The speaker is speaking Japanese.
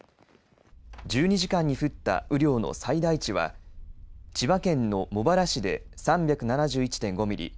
１２時間に降った雨量の最大値は千葉県の茂原市で３７１．５ミリ